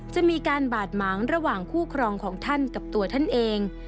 จะมีการบาดหมางระหว่างคู่ครองของท่านกับตัวท่านเอง